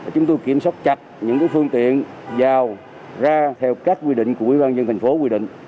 chúng tôi kiểm soát chặt những phương tiện vào ra theo các quy định của ủy ban dân thành phố quy định